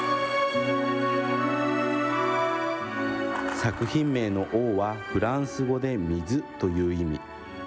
作品名のＯは、フランス語で水という意味。